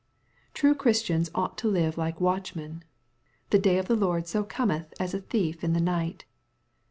True Christians ought to live like watchmen. The day of the Lord so cometh as a tliief in the night.